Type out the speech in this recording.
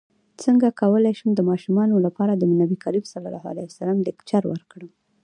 څنګه کولی شم د ماشومانو لپاره د نبي کریم ص لیکچر ورکړم